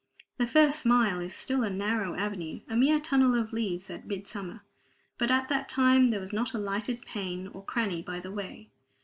The first mile is still a narrow avenue, a mere tunnel of leaves at midsummer; but at that time there was not a lighted pane or cranny by the way.